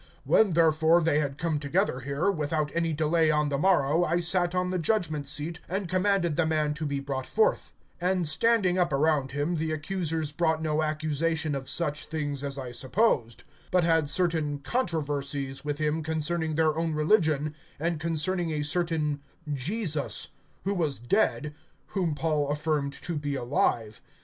(17)When, therefore, they had come together here, without any delay on the morrow I sat on the judgment seat, and commanded the man to be brought forth; (18)and standing up around him, the accusers brought no accusation of such things as I supposed; (19)but had certain controversies with him concerning their own religion, and concerning a certain Jesus who was dead, whom Paul affirmed to be alive.